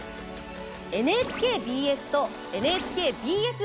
ＮＨＫＢＳとＮＨＫＢＳ